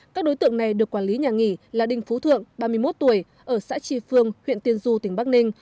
các đối tượng này được quản lý nhà nghỉ là đinh phú thượng ba mươi một tuổi ở xã tri phương huyện tiên du tỉnh bắc ninh